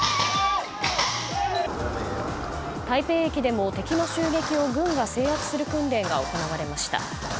台北駅でも敵の襲撃を軍が制圧する訓練が行われました。